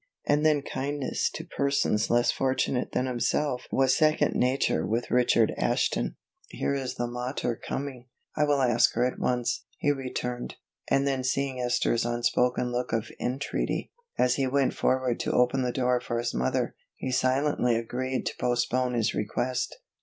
And then kindness to persons less fortunate than himself was second nature with Richard Ashton. "Here is the mater coming, I will ask her at once," he returned, and then seeing Esther's unspoken look of entreaty, as he went forward to open the door for his mother, he silently agreed to postpone his request.